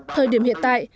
thời điểm hiện tại